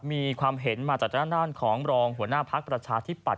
มีความเห็นมาจากด้านของรองหัวหน้าพักประชาธิปัต